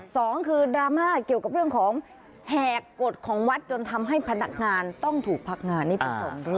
สองคือดราม่าเกี่ยวกับเรื่องของแหกกฎของวัดจนทำให้พนักงานต้องถูกพักงานนี่ไปส่ง